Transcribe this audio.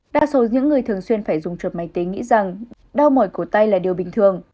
đa số những người thường xuyên phải dùng chụp máy tính nghĩ rằng đau mỏi cổ tay là điều bình thường